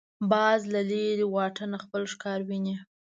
باز له لرې واټنه خپل ښکار ویني